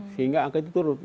sehingga angka itu turun